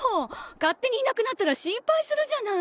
勝手にいなくなったら心配するじゃない！